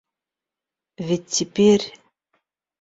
Ведь теперь...